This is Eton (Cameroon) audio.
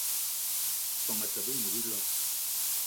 Soan Etaba ine a biloig